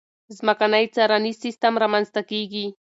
ځمکنی څارنیز سیستم رامنځته کېږي.